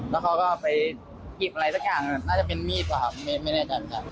แล้วเขาก็ไปหยิบอะไรสักอย่างน่าจะเป็นมีดเปล่าไม่แน่ใจครับ